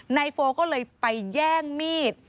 ในโฟล์ก็เลยไปแย่งมีด